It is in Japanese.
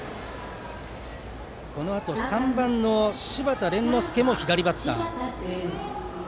このあと、３番の柴田廉之助も左バッター。